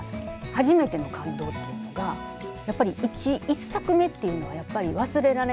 はじめての感動というのがやっぱり１作目っていうのはやっぱり忘れられなくなると思うので。